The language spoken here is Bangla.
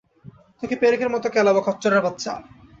তোকে পেরেকের মতো কেলাবো, খচ্চরের বাচ্চা।